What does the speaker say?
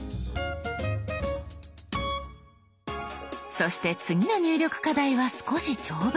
そして次の入力課題は少し長文。